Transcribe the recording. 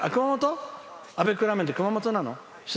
アベックラーメンって熊本なの。